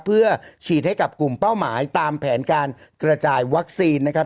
เพื่อฉีดให้กับกลุ่มเป้าหมายตามแผนการกระจายวัคซีนนะครับ